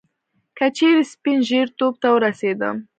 که چیري سپين ژیرتوب ته ورسېدم